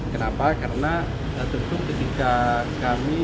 kenapa karena tentu ketika kami